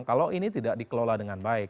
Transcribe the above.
kalau ini tidak dikelola dengan baik